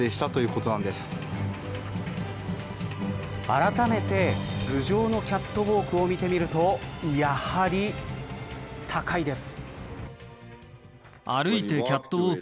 あらためて、頭上のキャットウォークを見てみるとやはり高いです。